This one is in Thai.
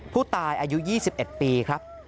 ผู้ตายอายุ๒๑ปีครับ